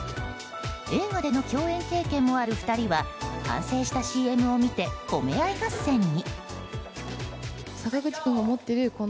映画での共演経験もある２人は完成したＣＭを見て褒め合い合戦に。